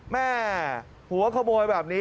แม่หัวขโมยแบบนี้